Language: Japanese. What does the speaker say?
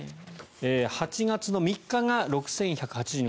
８月３日が６１８０人